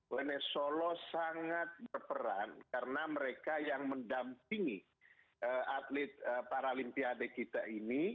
wns solo sangat berperan karena mereka yang mendampingi atlet paralimpiade kita ini